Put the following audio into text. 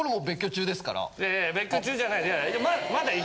いやいや別居中じゃない。